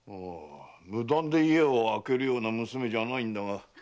無断で家を空けるような娘じゃないんだが。